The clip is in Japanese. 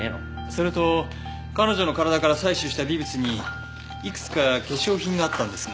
それと彼女の体から採取した微物にいくつか化粧品があったんですが。